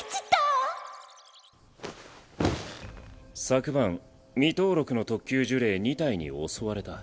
昨晩未登録の特級呪霊２体に襲われた。